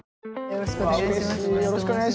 よろしくお願いします。